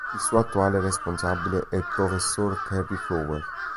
Il suo attuale responsabile è il prof. Cary Fowler.